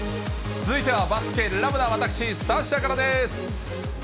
続いてはバスケラブな私、サッシャからです。